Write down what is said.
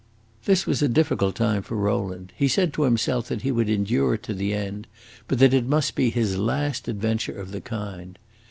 This was a difficult time for Rowland; he said to himself that he would endure it to the end, but that it must be his last adventure of the kind.